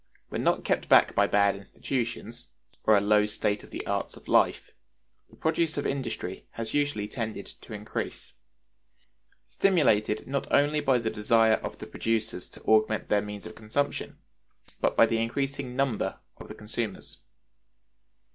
When not kept back by bad institutions, or a low state of the arts of life, the produce of industry has usually tended to increase; stimulated not only by the desire of the producers to augment their means of consumption, but by the increasing number of the consumers.